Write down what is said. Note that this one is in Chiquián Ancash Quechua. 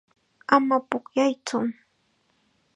Ama pukllaytsu.